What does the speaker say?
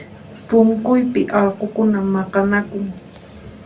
Punkuypi allqukuna maqanakun